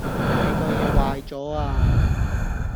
你個野壞左呀